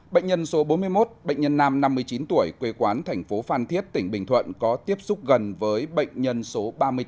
bệnh nhân số bốn mươi một bệnh nhân nam năm mươi chín tuổi quê quán thành phố phan thiết tỉnh bình thuận có tiếp xúc gần với bệnh nhân số ba mươi bốn